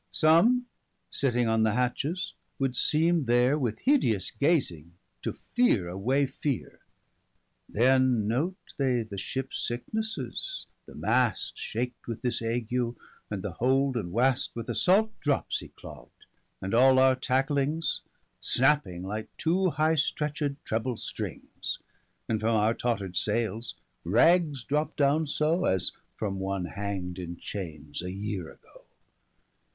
50 Some sitting on the hatches, would seeme there, With hideous gazing to feare away feare. Then note they the ships sicknesses, the Mast Shak'd with this ague, and the Hold and Wast With a salt dropsie clog'd, and all our tacklings 55 Snapping, like too high stretched treble strings. And from our totterd sailes, ragges drop downe so, As from one hang'd in chaines, a yeare agoe.